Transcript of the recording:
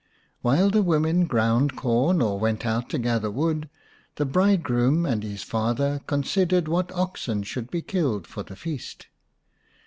While the women ground corn or went out to gather wood, the bridegroom and his father con sidered what oxen should be killed for the feast.